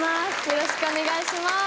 よろしくお願いします。